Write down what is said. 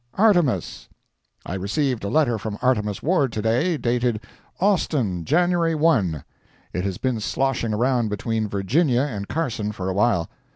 ARTEMUS I received a letter from Artemus Ward, to day, dated "Austin, January 1." It has been sloshing around between Virginia and Carson for awhile.